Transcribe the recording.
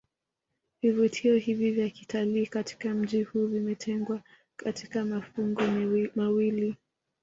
Vivutio hivi vya kitalii katika mji huu vimetengwa katika mafungu mawili